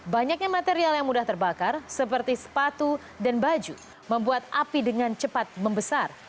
banyaknya material yang mudah terbakar seperti sepatu dan baju membuat api dengan cepat membesar